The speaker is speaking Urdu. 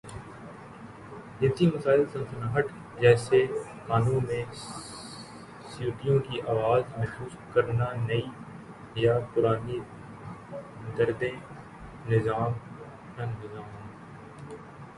جنسی مسائل سنسناہٹ جیسے کانوں میں سیٹیوں کی آواز محسوس کرنا نئی یا پرانی دردیں نظام انہضام